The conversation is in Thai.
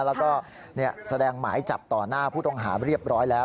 แล้วก็แสดงหมายจับต่อหน้าผู้ต้องหาเรียบร้อยแล้ว